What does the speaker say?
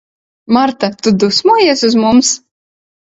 Marta, tu dusmojies uz mums?